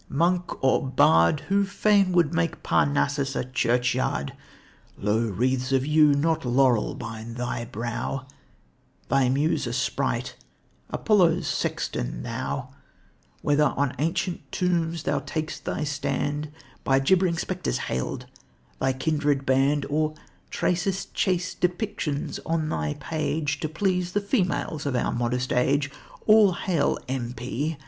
Monk or Bard, Who fain would make Parnassus a churchyard! Lo! wreaths of yew, not laurel, bind thy brow, Thy muse a sprite, Apollo's sexton thou; Whether on ancient tombs thou tak'st thy stand, By gibbering spectres hailed, thy kindred band; Or tracest chaste descriptions on thy page To please the females of our modest age; All hail, M.P.